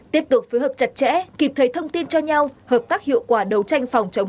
tiếp tục phối hợp chặt chẽ kịp thời thông tin cho nhau hợp tác hiệu quả đấu tranh phòng chống